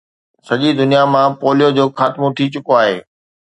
سڄي دنيا مان پوليو جو خاتمو ٿي چڪو آهي